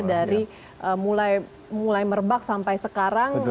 dari mulai merebak sampai sekarang